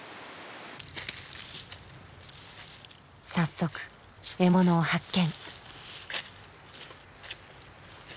早速獲物を発見。